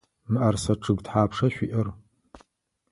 Мыӏэрысэ чъыг тхьапша шъуиӏэр?